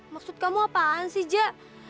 maksud kamu apaan sih jak